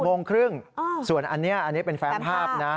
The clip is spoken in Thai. ๖โมงครึ่งส่วนอันนี้เป็นแฟนภาพนะ